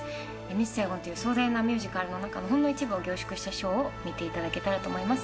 「ミス・サイゴン」という壮大なミュージカルの中のほんの一部を凝縮した映像を見ていただければと思います。